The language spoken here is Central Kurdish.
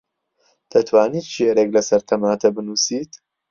دەتوانیت شیعرێک لەسەر تەماتە بنووسیت؟